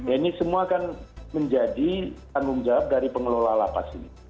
ini semua akan menjadi tanggung jawab dari pengelola lapas ini